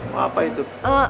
mau apa itu